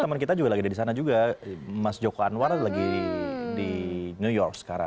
teman kita juga lagi dari sana juga mas joko anwar lagi di new york sekarang